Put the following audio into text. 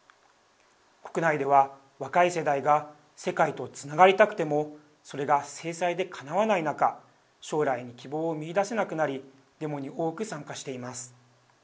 国内では若い世代が世界とつながりたくてもそれが制裁で、かなわない中将来に希望を見いだせなくなりデモに多く参加しています。